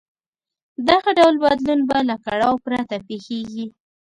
دغه ډول بدلون به له کړاو پرته پېښېږي.